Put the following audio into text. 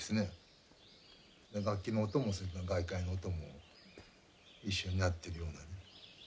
楽器の音もそれから外界の音も一緒になってるようなね。